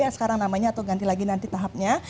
sekarang namanya atau ganti lagi nanti tahapnya